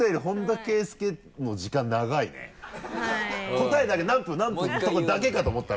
答えだけ「何分何分」のとこだけかと思ったら。